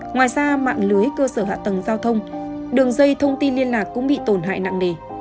ngoài ra mạng lưới cơ sở hạ tầng giao thông đường dây thông tin liên lạc cũng bị tổn hại nặng nề